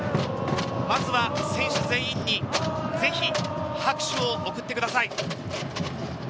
まずは選手全員にぜひ拍手を送ってください。